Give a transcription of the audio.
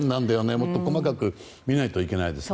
もっと細かく見ないといけないですね。